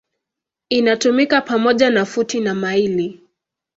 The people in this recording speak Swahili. Inatumika pamoja na futi na maili.